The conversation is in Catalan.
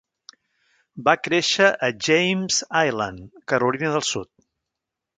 Va créixer a James Island, Carolina del Sud.